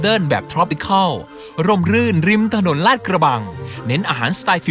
อ๋อรุ่นใหญ่เขาต้องดร้ำแบบนี้เลยหรอพี่